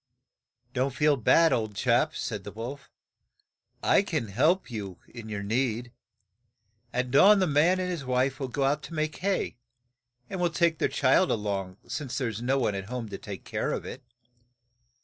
"Don't feel bad, old chap," said the wolf. "I can help you in your need. At dawn the man and his wife will go out to make hay, and will take their child a long, as there is no one at home to take care of it.